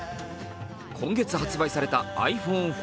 今月発売されたｉＰｈｏｎｅ１４。